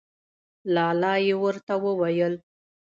لا لا یې ورته وویل.